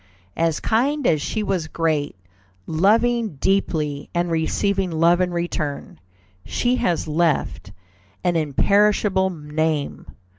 As kind as she was great, loving deeply and receiving love in return, she has left an imperishable name.